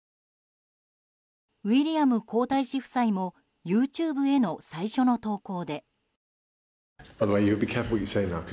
ウィリアム皇太子夫妻もＹｏｕＴｕｂｅへの最初の投稿で。